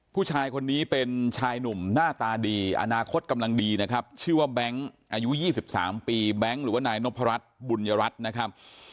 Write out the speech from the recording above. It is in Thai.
ผู้ชายคนนี้เป็นชายหนุ่มหน้าตาดีอนาคตกำลังดีนะครับชื่อว่าแบงค์อายุ๒๓ปีแบงค์หรือว่านายนพรัชบุญรัฐนะครับ